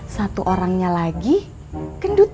satu orangnya lagi gendut